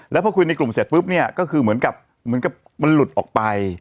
แล้วพอคุยในกลุ่มเสร็จนี้ก็คือเหมือนกับสามารถหลุดออกไป